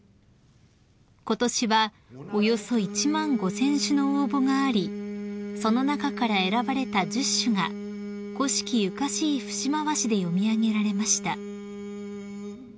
［ことしはおよそ１万５，０００首の応募がありその中から選ばれた１０首が古式ゆかしい節回しで詠み上げられました］